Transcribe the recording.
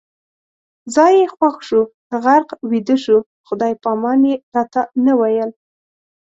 ځای یې خوښ شو، غرق ویده شو، خدای پامان یې راته نه ویل